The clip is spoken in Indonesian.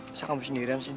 bisa kamu sendirian sini